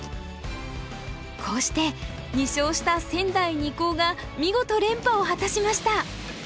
こうして２勝した仙台二高が見事連覇を果たしました。